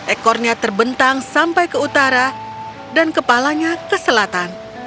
ekornya terbentang sampai ke utara dan kepalanya ke selatan